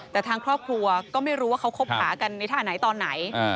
แต่ทางครอบครัวก็ไม่รู้ว่าเขาคบหากันในท่าไหนตอนไหน